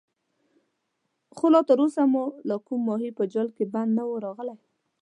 خو تر اوسه مو لا کوم ماهی په جال کې بند نه وو راغلی.